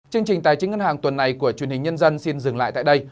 chương trình tài chính ngân hàng tuần này của truyền hình nhân dân xin dừng lại tại đây